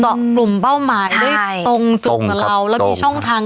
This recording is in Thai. เจาะกลุ่มเป้าหมายใช่ได้ตรงจุดกว่าเราตรงครับแล้วมีช่องทาง